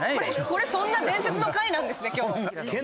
これそんな伝説の回なんですね今日。